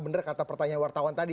benar kata pertanyaan wartawan tadi